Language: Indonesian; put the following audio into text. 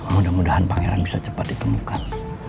mudah mudahan pangeran bisa cepat ditemukan